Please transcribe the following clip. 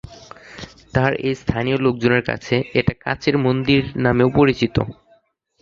আর তাই এস্থানিয় লোকজনের কাছে এটা কাচের মন্দির নামেও পরিচিত।